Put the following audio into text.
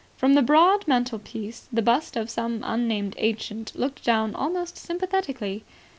From the broad mantel piece the bust of some unnamed ancient looked down almost sympathetically.